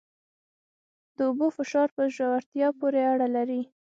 د اوبو فشار په ژورتیا پورې اړه لري.